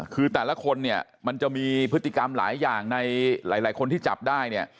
คือแต่ละคนเนี่ยมันจะมีพฤติกรรมหลายอย่างในหลายคนที่จับได้เนี่ย